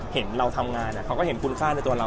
เห็นการทำงานทิศล่ะ